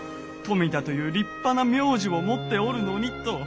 富田という立派な名字を持っておるのにと。